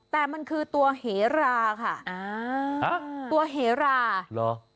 แต่มันคือตัวเหราค่ะอ่าตัวเหราเหรอ